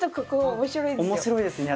面白いですよ。